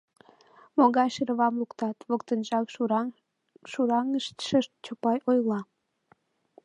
— Могай шеревам луктат, — воктенжак шӱраҥыштше Чопай ойла.